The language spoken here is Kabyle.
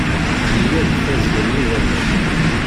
Neya di tazzla n yidammen.